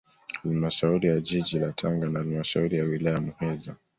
Halmashauri ya jiji la Tanga na halmashauri ya wilaya ya Muheza